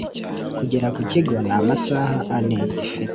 kugera ku kigo n’amasaha ane.